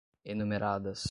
enumeradas